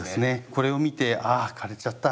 これを見て「あ枯れちゃった。